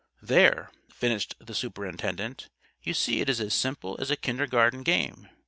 "There," finished the superintendent, "you see it is as simple as a kindergarten game.